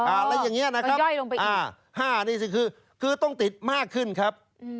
อะไรอย่างนี้นะครับคือคือต้องติดมากขึ้นครับ